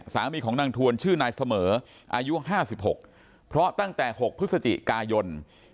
ของนางทวนชื่อนายเสมออายุ๕๖เพราะตั้งแต่๖พฤศจิกายน